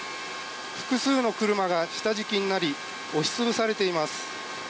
複数の車が下敷きになり押し潰されています。